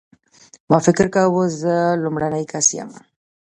ما فکر کاوه زه لومړنی کس یم.